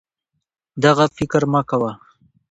دغه فکر مه کوه